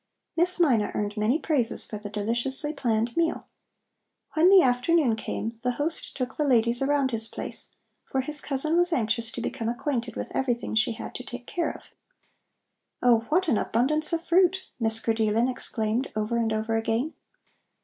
Miss Mina earned many praises for the deliciously planned meal. When the afternoon came the host took the ladies around his place, for his cousin was anxious to become acquainted with everything she had to take care of. "Oh, what an abundance of fruit!" Miss Grideelen exclaimed over and over again.